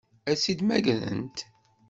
Ad tt-id-mmagrent?